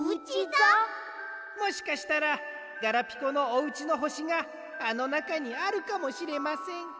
もしかしたらガラピコのおうちのほしがあのなかにあるかもしれません。